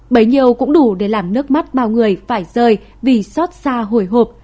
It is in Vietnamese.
bấy nhiêu cũng đủ để làm nước mắt bao người phải rời vì xót xa hồi hộp